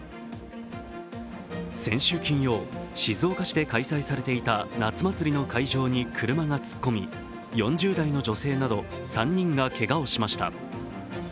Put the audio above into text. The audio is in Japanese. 先週金曜、静岡市で開催されていた夏祭りの会場に車が突っ込み、４０代の女性など３人がけがをしました。